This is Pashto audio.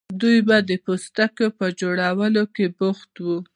دوی به د پوستکو په جوړولو هم بوخت وو.